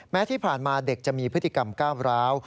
ที่ผ่านมาเด็กจะมีพฤติกรรมก้าวร้าว